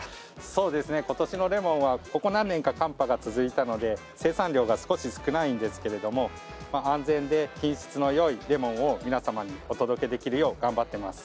そうですねことしのレモンはここ何年か寒波が続いたので生産量が少し少ないんですけれども安全で品質のよいレモンを皆様にお届けできるよう頑張っています。